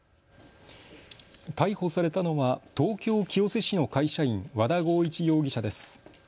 逮捕されたのは東京清瀬市の会社員、和田剛一容疑者です。